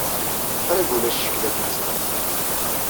Qrib ulac ccekk dakken ẓrant.